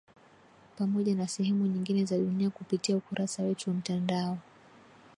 Pamoja na sehemu nyingine za dunia kupitia ukurasa wetu wa mtandao